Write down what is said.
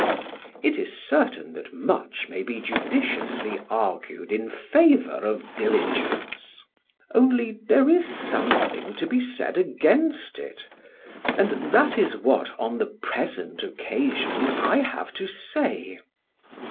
It is certain that much may be judiciously argued in favour of diligence; only there is something to be said against it, and that is what, on the present occasion, I have to say.